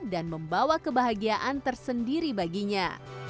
dan membawa kebahagiaan tersendiri baginya